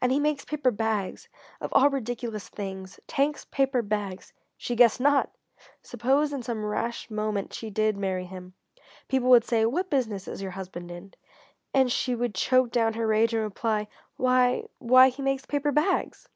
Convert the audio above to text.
And he makes paper bags of all ridiculous things! Tank's Paper Bags!" she guessed not! Suppose in some rash moment she did marry him. People would say: "What business is your husband in?" And she would choke down her rage and reply "Why why he makes paper bags!"